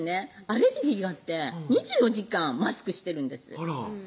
アレルギーがあって２４時間マスクしてるんですあら